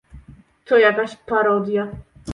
To jakaś parodia